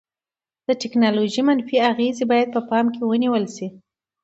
د ټیکنالوژي منفي اغیزې باید په پام کې ونیول شي.